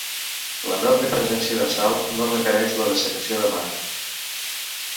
L'enorme presència de sal no requereix la dessecació de mar.